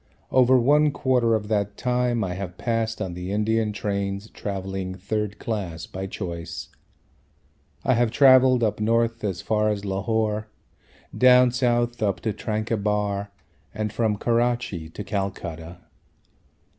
Over one quarter of that time I have passed on the Indian trains travelling third class by choice. I have travelled up north as far as Lahore, down south up to Tranquebar, and from Karachi to Calcutta.